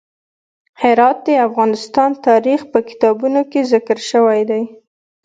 هرات د افغان تاریخ په کتابونو کې ذکر شوی دی.